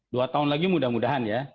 dua tahun lagi mudah mudahan ya